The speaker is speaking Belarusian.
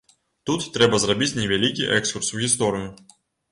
Тут трэба зрабіць невялікі экскурс у гісторыю.